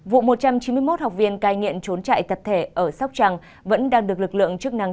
vụ một trăm chín mươi một học viên cai nghiện trốn trại tập thể ở sóc trăng vẫn đang được lực lượng chức năng